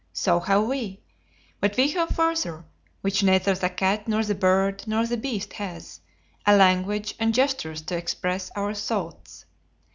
So have we. But we have further which neither the cat, nor the bird, nor the beast has a language and gestures to express our thoughts."